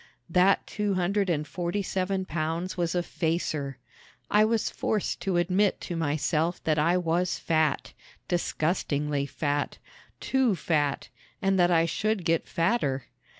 That two hundred and forty seven pounds was a facer. I was forced to admit to myself that I was fat, disgustingly fat too fat; and that I should get fatter!